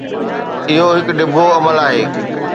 اهو هڪ ڊگهو عمل آهي.